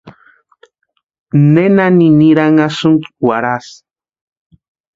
¿Nena niniranhasïnki warhasï?